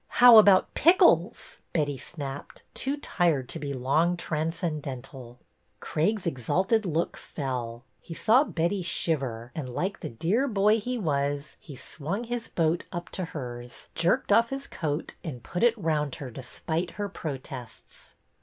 How about pickles ?" Betty snapped, too tired to be long transcendental. Craig's exalted look fell. He saw Betty shiver and, like the dear boy he was, he swung his boat up to hers, jerked off his coat and put it round her despite her protests.